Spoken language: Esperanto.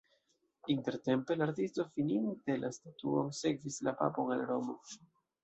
Intertempe la artisto fininte la statuon sekvis la papon al Romo.